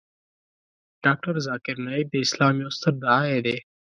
ډاکتر ذاکر نایک د اسلام یو ستر داعی دی .